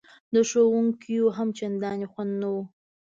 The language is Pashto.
د ښوونکیو هم چندان خوند نه و.